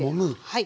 はい。